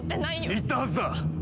言ったはずだ！